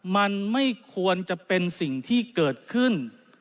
มันไม่ควรจะเป็นสิ่งที่เกิดขึ้น